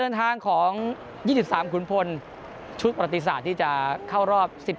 เดินทางของยี่สิบสามขุนพลชุดประติศาสตร์ที่จะเข้ารอบสิบ